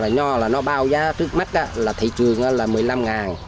nho là nó bao giá trước mắt là thị trường là một mươi năm